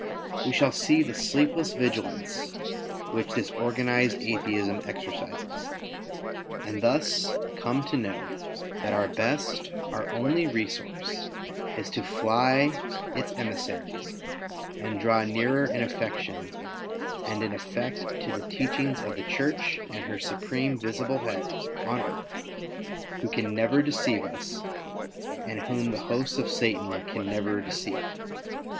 We shall see the sleepless vigilance which this organized Atheism exercises ; and thus come to know that our best, our only resource, is to fly its emissaries, and draw nearer in aifection and in effect to the teachings of the Church and her Supreme Visible Head on earth who can never deceive us, and whom the hosts of Satan never can deceive.